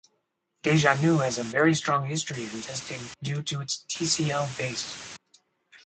DejaGnu has a very strong history in testing due to its Tcl base.